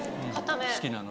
好きなので。